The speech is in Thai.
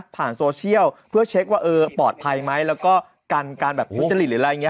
โซเชียลเพื่อเช็คว่าเออปลอดภัยไหมแล้วก็กันการแบบทุจริตหรืออะไรอย่างนี้